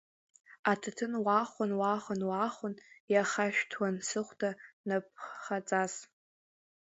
Аҭаҭын уахон, уахон, уахон, иахашәҭуан сыхәда напԥхаҵас.